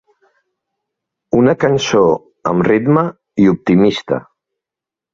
Una cançó amb ritme i optimista.